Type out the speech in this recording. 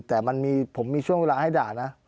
แต่ผมมีช่วงเวลาให้ด่านะ